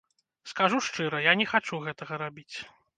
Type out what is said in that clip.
Скажу шчыра, я не хачу гэтага рабіць.